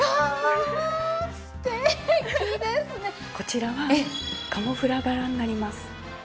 こちらはカモフラ柄になります。